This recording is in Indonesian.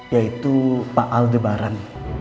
yaitu pak aldebaran